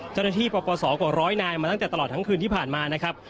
เจ้าหน้าที่ประมาณ๒กว่า๑๐๐นายมาตั้งแต่ตลอดทั้งคืนที่ผ่านมานะครับ